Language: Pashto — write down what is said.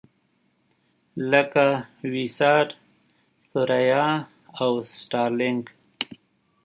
لکه وي-ساټ، ثریا او سټارلېنک.